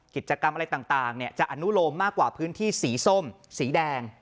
กิจกรรมอะไรต่างจะอนุโลมมากกว่าพื้นที่สีส้มสีแดง